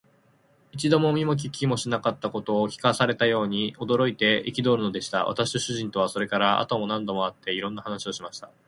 一度も見も聞きもしなかったことを聞かされたように、驚いて憤るのでした。私と主人とは、それから後も何度も会って、いろんな話をしました。